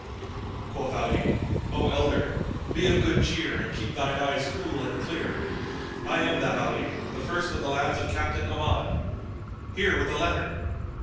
Quoth Ali, "O elder, be of good cheer and keep thine eyes cool and clear: I am that Ali, the first of the lads of Captain Ahmad: here with the letter!"